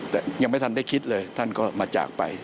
แต่ยังไม่ทันได้คิดเลยท่านก็มาจากไป